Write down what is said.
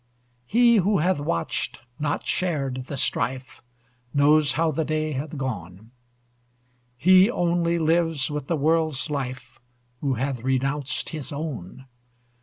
He who hath watched, not shared, the strife, Knows how the day hath gone. He only lives with the world's life Who hath renounced his own.